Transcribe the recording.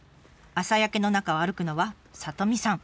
朝焼けの中を歩くのは里美さん。